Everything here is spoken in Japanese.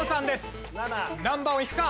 何番をいくか？